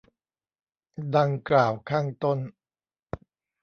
ดังกล่าวข้างต้น